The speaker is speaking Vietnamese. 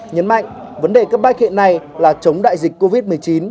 nhấn mạnh vấn đề cấp bách hiện nay là chống đại dịch covid một mươi chín